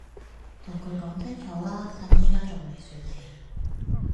同佢講清楚啦，趁而家仲未算遲